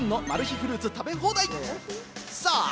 フルーツ食べ放題。